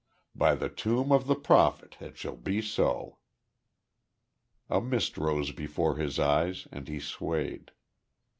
By the tomb of the Prophet it shall be so." A mist rose before his eyes and he swayed.